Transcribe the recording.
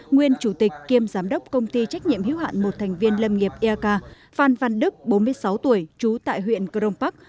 nguyên chủ tịch kiêm giám đốc công ty trách nhiệm hiếu hạn một thành viên lâm nghiệp eak phan văn đức bốn mươi sáu tuổi trú tại huyện crong park